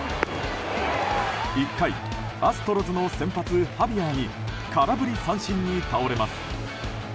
１回、アストロズの先発ハビアーに空振り三振に倒れます。